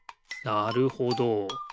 なるほど。